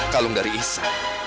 kalung dari isa